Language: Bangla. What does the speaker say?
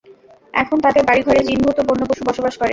এখন তাদের বাড়িঘরে জিন-ভূত ও বন্য পশু বসবাস করে।